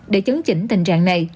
để chứng chỉnh tình trạng này